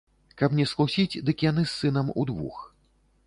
Каб не схлусіць, дык яны з сынам удвух.